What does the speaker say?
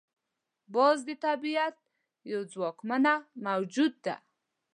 باز د طبیعت یو ځواکمنه موجود ده